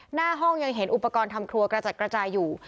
หน้าห้องยังเห็นอุปกรณ์ทำครัวกระจัดกระจายอยู่